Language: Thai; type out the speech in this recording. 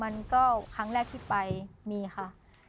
มันก็ครั้งแรกที่ไปมีค่ะ